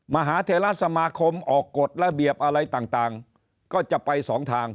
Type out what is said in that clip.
มหาเทราสมาคมออกกฎระเบียบอะไรต่างก็จะไปสองทาง